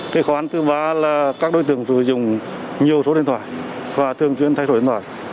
cái khóa thứ ba là các đối tượng sử dụng nhiều số điện thoại và thường chuyển thay đổi điện thoại